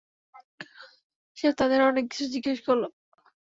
সেও তাদের অনেক কিছু জিজ্ঞেস করল।